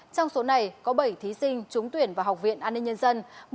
trong số này có bảy thí sinh trúng tuyển vào học viện an ninh nhân dân